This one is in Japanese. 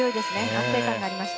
安定感がありました。